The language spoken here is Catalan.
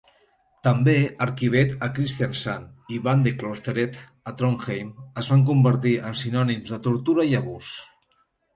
També, Arkivet a Kristiansand i Bandeklosteret a Trondheim es van convertir en sinònims de tortura i abús.